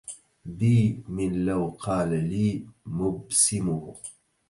بي من لو قال لي مبسمه